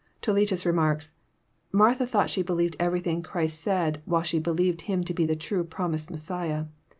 Toletns remarks :'* Martha thought she believed everything Christ said, while she believed Him to be the trae promised Messiah.